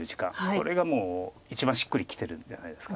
これがもう一番しっくりきてるんじゃないですか。